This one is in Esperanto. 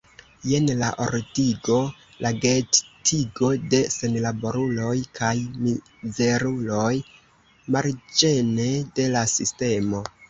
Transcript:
Jen la ordigo, la gettigo de senlaboruloj kaj mizeruloj marĝene de la sistemo.